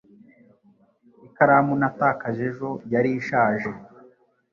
Ikaramu natakaje ejo yari ishaje.